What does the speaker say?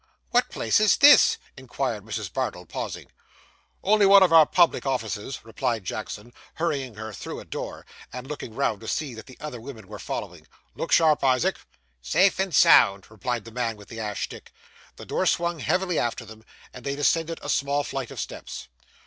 'What place is this?' inquired Mrs. Bardell, pausing. 'Only one of our public offices,' replied Jackson, hurrying her through a door, and looking round to see that the other women were following. 'Look sharp, Isaac!' 'Safe and sound,' replied the man with the ash stick. The door swung heavily after them, and they descended a small flight of steps.